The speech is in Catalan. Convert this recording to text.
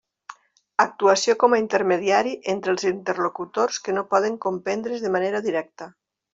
Actuació com a intermediari entre els interlocutors que no poden comprendre's de manera directa.